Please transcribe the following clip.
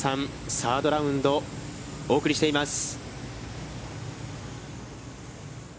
サードラウンドをお送りしています。